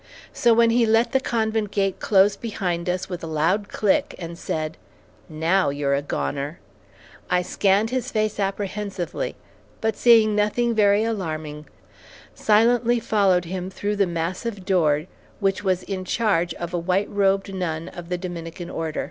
So when he let the convent gate close behind us with a loud click and said, "Now, you are a goner," I scanned his face apprehensively, but seeing nothing very alarming, silently followed him through the massive door which was in charge of a white robed nun of the Dominican order.